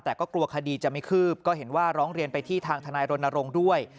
แต่ก็กลัวคดีจะไม่คืบก็เห็นว่าร้องเรียนไปที่ทางทนายรณรงค์ด้วย